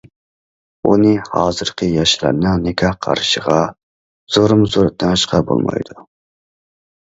ئۇنى ھازىرقى ياشلارنىڭ نىكاھ قارىشىغا زورمۇزور تېڭىشقا بولمايدۇ.